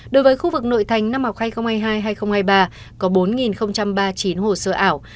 đối với khu vực nội thành năm học hai nghìn hai mươi hai hai nghìn hai mươi ba có bốn ba mươi chín hồ sơ ảo